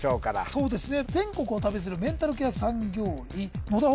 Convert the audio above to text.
そうですね